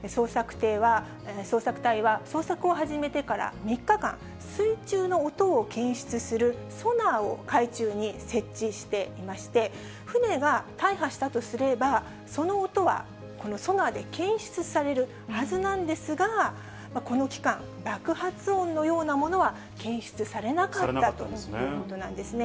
捜索隊は、捜索を始めてから３日間、水中の音を検出するソナーを海中に設置していまして、船が大破したとすれば、その音はこのソナーで検出されるはずなんですが、この期間、爆発音のようなものは検出されなかったということなんですね。